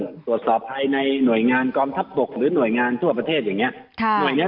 สวยมือถูกได้ตรวจสอบภายในหน่วยงานกร่องทัพปกหรือหน่วยงานทั่วประเทศอย่างเนี้ย